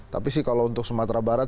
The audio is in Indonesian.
tapi sih kalau untuk sumatera barat